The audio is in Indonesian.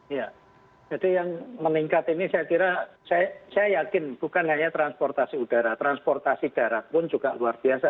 iya jadi yang meningkat ini saya kira saya yakin bukan hanya transportasi udara transportasi darat pun juga luar biasa